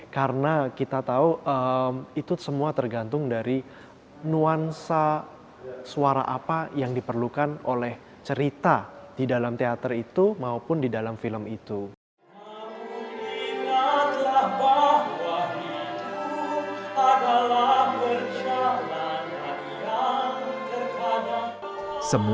karena kita tahu itu semua tergantung dari nuansa suara apa yang diperlukan oleh cerita di dalam teater itu maupun di dalam film itu